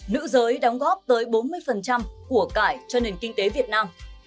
nữ giới đóng góp tới bốn mươi của cải cho nền kinh tế việt nam